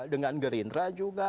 dengan orang per orang juga